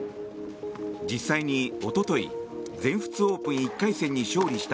実際におととい全仏オープン１回戦に勝利した